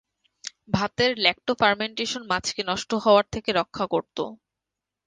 ভাতের ল্যাক্টো-ফারমেন্টেশন মাছকে নষ্ট হওয়ার থেকে রক্ষা করত।